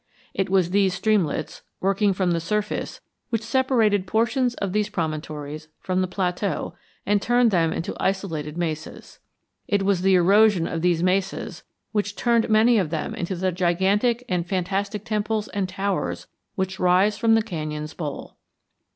It was these streamlets, working from the surface, which separated portions of these promontories from the plateau and turned them into isolated mesas. It was the erosion of these mesas which turned many of them into the gigantic and fantastic temples and towers which rise from the canyon's bowl.